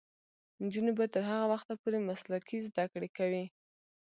نجونې به تر هغه وخته پورې مسلکي زدکړې کوي.